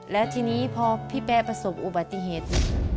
แล้วทีนี้พอพี่แป้ประสบอุบัติเหตุ